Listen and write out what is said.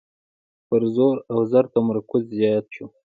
پر زور او زر تمرکز زیات شو.